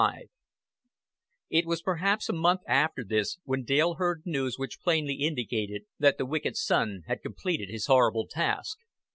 XXV It was perhaps a month after this when Dale heard news which plainly indicated that the wicked son had completed his horrible task.